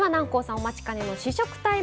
お待ちかねの試食タイム。